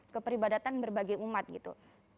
keperibadatan berbagai umat gitu